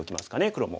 黒も。